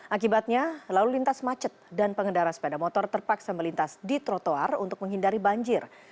akibatnya lalu lintas macet dan pengendara sepeda motor terpaksa melintas di trotoar untuk menghindari banjir